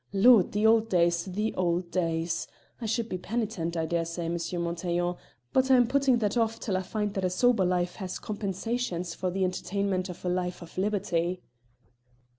Lord! the old days, the old days! I should be penitent, I daresay, M. Montaiglon, but I'm putting that off till I find that a sober life has compensations for the entertainment of a life of liberty."